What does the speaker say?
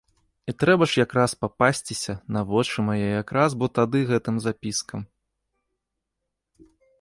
І трэба ж якраз папасціся на вочы мае якраз бо тады гэтым запіскам!